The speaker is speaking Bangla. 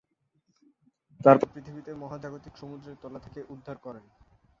তারপর পৃথিবীকে মহাজাগতিক সমুদ্রের তলা থেকে উদ্ধার করেন।